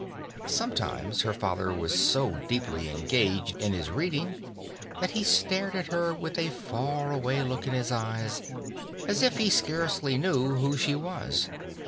Sometimes her father was so deeply engaged in his reading that he stared at her with a far away look in his eyes, as if he scarcely knew who she was.